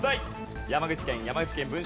山口県山口県文書館です。